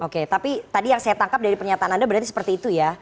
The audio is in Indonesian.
oke tapi tadi yang saya tangkap dari pernyataan anda berarti seperti itu ya